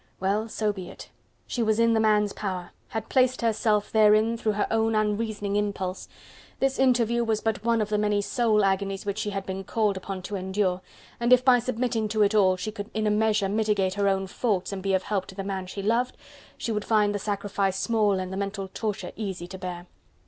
Well! so be it! she was in the man's power: had placed herself therein through her own unreasoning impulse. This interview was but one of the many soul agonies which she had been called upon to endure, and if by submitting to it all she could in a measure mitigate her own faults and be of help to the man she loved, she would find the sacrifice small and the mental torture easy to bear.